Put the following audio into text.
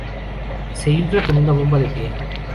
Se infla con una bomba de pie.